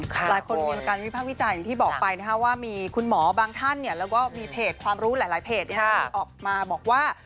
หลายคนมีการวิภาควิจารณ์อย่างที่บอกไปว่ามีคุณหมอบางท่านแล้วก็มีเพจความรู้หลายเพจมีออกมาบอกว่า